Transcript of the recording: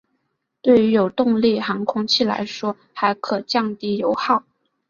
对于有动力航空器来说还可降低油耗。